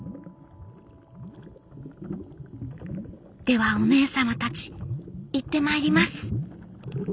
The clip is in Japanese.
「ではお姉様たち行ってまいります」。